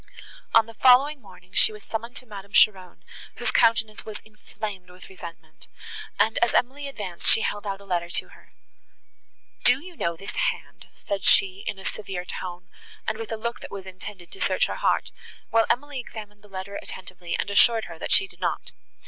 On the following morning, she was summoned to Madame Cheron, whose countenance was inflamed with resentment, and, as Emily advanced, she held out a letter to her. "Do you know this hand?" said she, in a severe tone, and with a look that was intended to search her heart, while Emily examined the letter attentively, and assured her, that she did not.